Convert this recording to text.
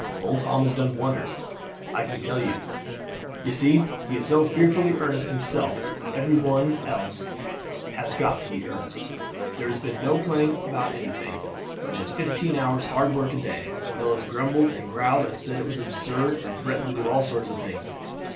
Old Tom has done wonders, I can tell you. You see, he is so fearfully earnest himself every one else has got to be earnest. There has been no playing about anything, but just fifteen hours' hard work a day. Fellows grumbled and growled and said it was absurd, and threatened to do all sorts of things.